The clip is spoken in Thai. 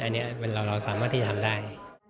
อันนี้เราสามารถที่จะทำได้